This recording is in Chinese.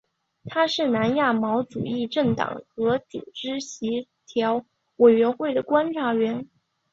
它是南亚毛主义政党和组织协调委员会的观察员。